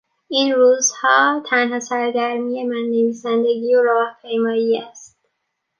این روزها تنها سرگرمی من نویسندگی و راهپیمایی است.